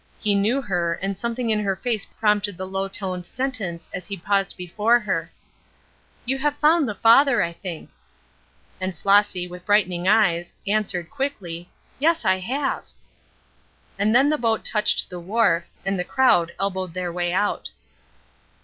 He knew her, and something in her face prompted the low toned sentence as he paused before her: "You have found the Father, I think." And Flossy, with brightening eyes, answered, quickly, "Yes, I have." And then the boat touched at the wharf, and the crowd elbowed their way out.